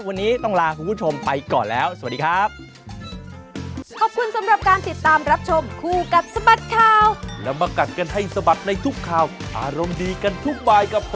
วันนี้ต้องลาคุณผู้ชมไปก่อนแล้วสวัสดีครับ